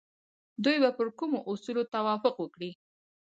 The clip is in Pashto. دوی به پر کومو اصولو توافق وکړي؟